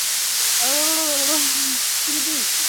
The park has a lake and was once the estate of Cuerden Hall.